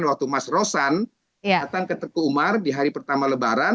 waktu mas rosan datang ke teguh umar di hari pertama lebaran